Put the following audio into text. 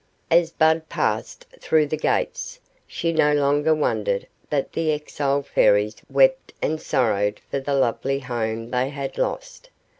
As Bud passed through the gates, she no longer wondered that the exiled Fairies wept and sorrowed for the lovely home they had lost.